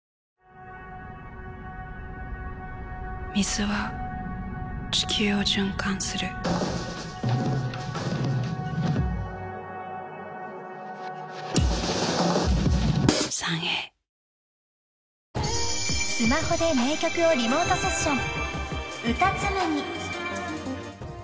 ［スマホで名曲をリモートセッション］